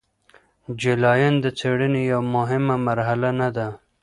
جلاین د څیړنې یوه مهمه مرحله نه ده.